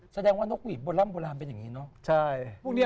แสดงว่านกหวีดโบร่ำโบร่ำเป็นอย่างงี้เนอะใช่พวกนี้